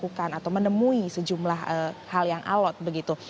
dan juga menemukan atau menemui sejumlah hal yang alot begitu